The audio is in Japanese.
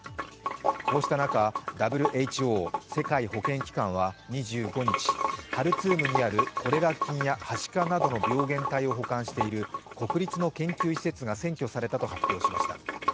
こうした中ＷＨＯ＝世界保健機関は２５日、ハルツームにあるコレラ菌やはしかなどの病原体を保管している国立の研究施設が占拠されたと発表しました。